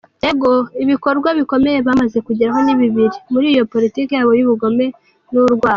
Ibikorwa “bikomeye” bamaze kugeraho ni bibiri muri iyo politiki yabo y’ubugome n’urwango.